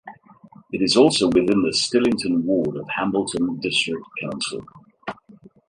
It is also within the Stillington ward of Hambleton District Council.